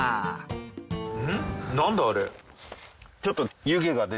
ちょっと。